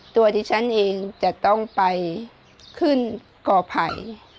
ตัวที่ฉันเองจะต้องไปขึ้นก่อไผ่